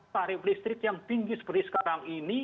tarif listrik yang tinggi seperti sekarang ini